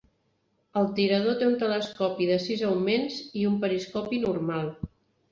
El tirador té un telescopi de sis augments i d'un periscopi normal.